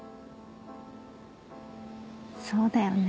そうだよね。